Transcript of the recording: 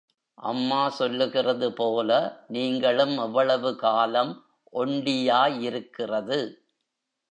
அம்மா சொல்லுகிறது போல, நீங்களும் எவ்வளவு காலம் ஒண்டியாயிருக்கிறது?